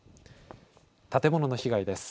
建物の被害です。